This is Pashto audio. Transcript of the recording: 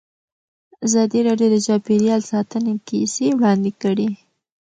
ازادي راډیو د چاپیریال ساتنه کیسې وړاندې کړي.